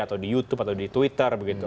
atau di youtube atau di twitter begitu